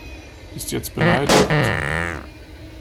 Bist du jetzt beleidigt?